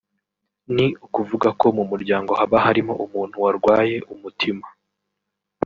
ni ukuvuga ko mu muryango haba harimo umuntu warwaye umutima